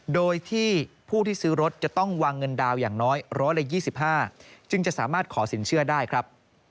โดยที่ผู้ที่ซื้อรถจะต้องวางเงินดาวนอย่างน้อย๑๒๕จึงจะสามารถขอสินเชื่อได้ครับ